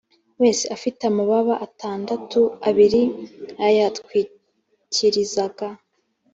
wese afite amababa atandatu abiri yayatwikirizaga